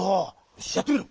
よしやってみろ！